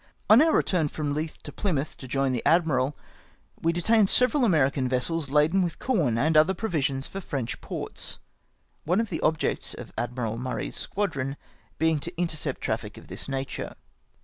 On our return from Leith to Plymouth to join the admiral, we detained several American vessels laden with corn and other provisions for French ports ; one of the objects of Admiral Murray's squadron being to intercept traffic of this nature.